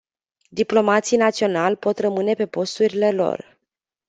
Diplomații naționali pot rămâne pe posturile lor.